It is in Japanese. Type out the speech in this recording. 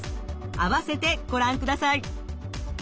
併せてご覧ください。